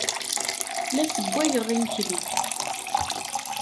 La ssewwayeɣ imekli.